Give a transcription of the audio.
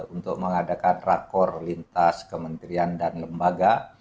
untuk mengadakan rakor lintas kementerian dan lembaga